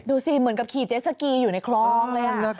ดูสิเหมือนกับขี่เจสสกีอยู่ในคลองเลย